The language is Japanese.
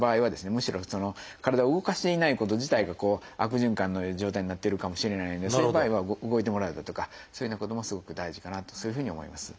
むしろ体を動かしていないこと自体が悪循環の状態になってるかもしれないのでそういう場合は動いてもらうだとかそういうようなこともすごく大事かなとそういうふうに思います。